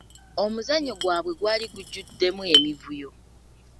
Omuzannyo gwabwe gwali gujjuddemu emivuyo.